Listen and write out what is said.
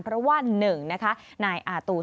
เพราะว่า๑นะคะนายอาตูน